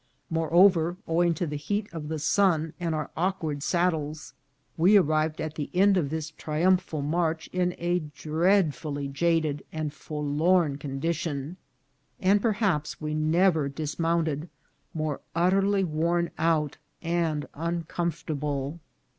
Moreover, owing to the heat of the sun and our awkward saddles, we arrived at the end of this triumphal march in a dreadfully jaded and forlorn condition, and perhaps we never dismounted more utterly worn out and uncomfortable.